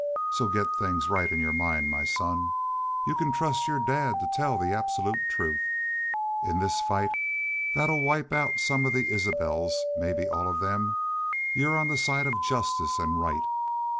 So get things right in your mind, my son. You can trust your dad to tell the absolute truth. In this fight that 'll wipe out some of the Isbels maybe all of them you're on the side of justice an' right.